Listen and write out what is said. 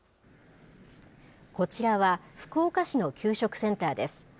こちらは、福岡市の給食センターです。